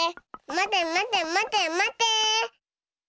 まてまてまてまて。